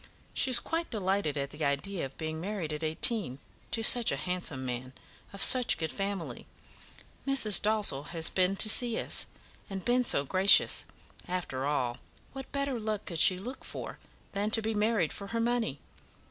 She is quite delighted at the idea of being married at eighteen, to such a handsome man, of such a good family. Mrs. Dalzell has been to see us, and been so gracious. After all, what better luck could she look for than to be married for her money?